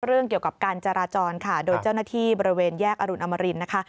เรื่องเกี่ยวกับการจราจรค่ะโดยเจ้าหน้าที่บริเวณแยกอรุณอมรินนะคะ